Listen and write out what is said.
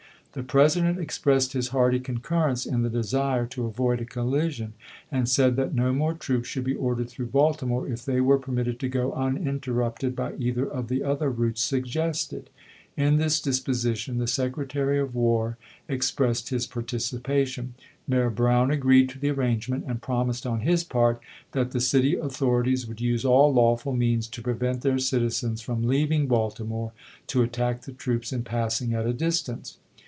The President ex pressed his hearty concurrence in the desu'e to avoid a collision, and said that no more troops should be ordered through Baltimore if they were permitted to go uninterrupted by either of the other routes suggested. In this disposition the Secretary of War expressed his participation, ^j.^^^*'^^,. Mayor Brown agreed to the arrangement, and p''2"'i86i"^ promised on his part "that the city authorities "ReCeinra would use all lawful means to prevent their citizens vol i!^ d'oc from leaving Baltimore to attack the troops in "i"i24. ' passing at a distance."